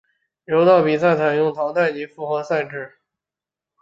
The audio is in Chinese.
柔道比赛采用淘汰及复活赛制。